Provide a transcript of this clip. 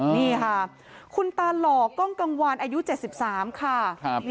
นี่ค่ะคุณตาหล่อกล้องกังวานอายุ๗๓ค่ะ